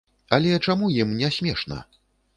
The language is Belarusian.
Але чаму ім не смешна?